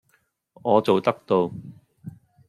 我做得到!